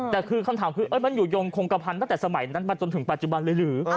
แต่คือคำถามคือมันอยู่ยงคงกระพันธ์ตั้งแต่สมัยนั้นมาจนถึงปัจจุบันเลยหรือ